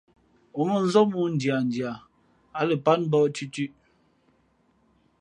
Ǒ mᾱnzám mōō ndiandia, ǎ lα pát mbōh tʉtʉ̄ʼ.